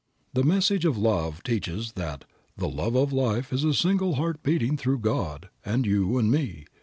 The message of love teaches that the "love of life is a single heart beating through God, and you and me."